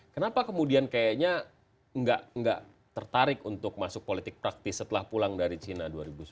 kenapa kemudian kayaknya nggak tertarik untuk masuk politik praktis setelah pulang dari cina dua ribu sembilan belas